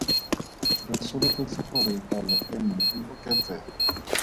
Re solofetse gore palo eno e oketsege.